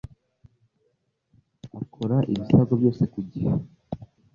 Akora ibisabwa byose kugihe